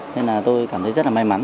nên là tôi cảm thấy rất là may mắn